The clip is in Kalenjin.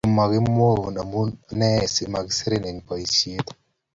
Kokemwoun amune asimakiserin boisiet